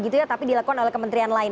tapi dilakukan oleh kementerian lain